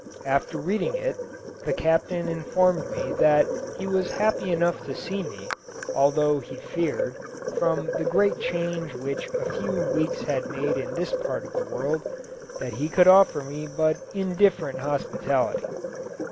After reading it, the Captain informed me that he was happy enough to see me, although he feared, from the great change which a few weeks had made in this part of the world, that he could offer me but indifferent hospitality.